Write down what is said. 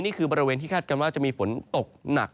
บริเวณที่คาดกันว่าจะมีฝนตกหนัก